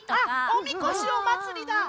「おみこし」おまつりだ。